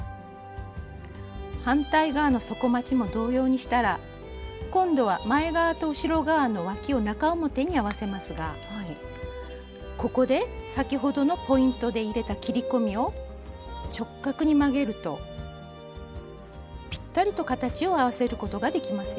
反対側の底まちも同様にしたら今度は前側と後ろ側のわきを中表に合わせますがここで先ほどのポイントで入れた切り込みを直角に曲げるとぴったりと形を合わせることができますよ。